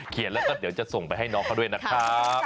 แล้วก็เดี๋ยวจะส่งไปให้น้องเขาด้วยนะครับ